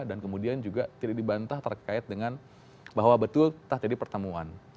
dan kemudian juga tidak dibantah terkait dengan bahwa betul kita jadi pertemuan